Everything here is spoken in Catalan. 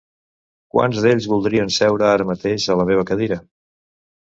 Quants d'ells voldrien seure ara mateix a la meva cadira?